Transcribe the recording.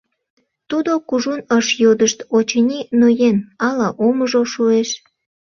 Тудо кужун ыш йодышт, очыни, ноен, ала омыжо шуэш.